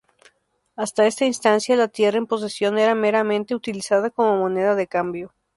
Hasta esta instancia la tierra en posesión era meramente utilizada como moneda de cambio.